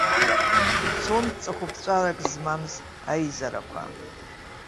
Ицон ҵыхәаԥҵәарак змамыз аизарақәа.